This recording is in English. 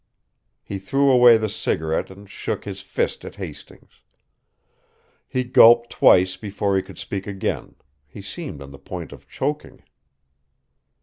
He threw away the cigarette and shook his fist at Hastings. He gulped twice before he could speak again; he seemed on the point of choking.